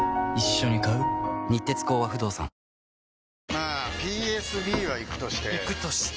まあＰＳＢはイクとしてイクとして？